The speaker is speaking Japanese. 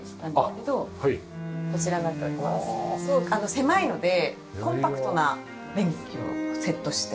狭いのでコンパクトな便器をセットして。